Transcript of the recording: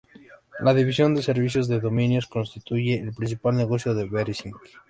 La división de servicios de dominios constituye el principal negocio de Verisign.